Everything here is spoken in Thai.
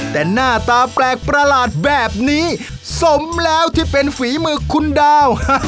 แต่หน้าตาแปลกประหลาดแบบนี้สมแล้วที่เป็นฝีมือคุณดาว